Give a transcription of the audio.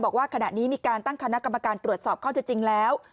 บอกว่าขณะนี้มีการตั้งคณะกรรมการตรวจสอบข้อที่จริงแล้ว